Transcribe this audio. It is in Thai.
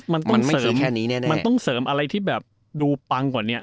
มันต้องเสริมแค่นี้แน่มันต้องเสริมอะไรที่แบบดูปังกว่านี้